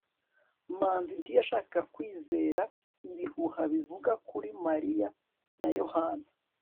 manzi ntiyashakaga kwizera ibihuha bivuga kuri mariya na yohana